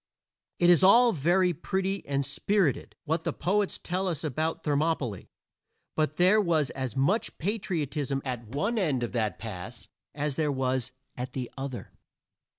It is all very pretty and spirited, what the poets tell us about Thermopylæ, but there was as much patriotism at one end of that pass as there was at the other.